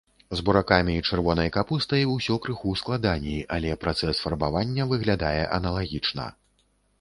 З буракамі і чырвонай капустай усё крыху складаней, але працэс фарбавання выглядае аналагічна.